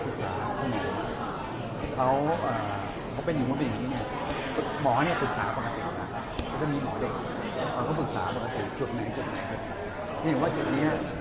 ถ้าเขาไม่ยอมทำท่าคือผมก็ไปศึกษาคุณหมอ